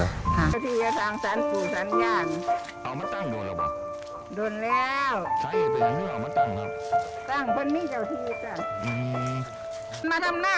แล้วก็จะดูอะไรนะ